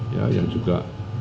ya yang juga